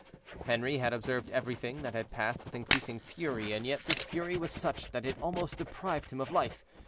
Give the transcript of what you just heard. Henri had observed everything that had passed with increasing fury, and yet this fury was such that it almost deprived him of life.